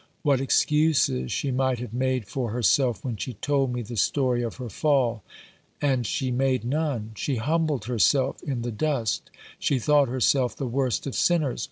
What excuses she might have made for herself when she told me the story of her fall ! And she made none. She humbled herself in the dust ; she thought herself the worst of sinners.